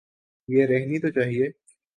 یہ رہنی تو چاہیے۔